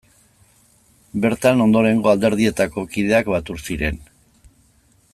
Bertan ondorengo alderdietako kideak batu ziren.